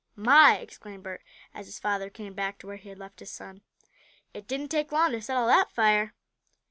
"My!" exclaimed Bert as his father came back to where he had left his son, "it didn't take long to settle that fire."